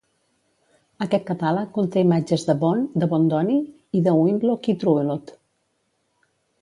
Aquest catàleg conté imatges de Bond, de Bondoni i de Winlock i Trouvelot.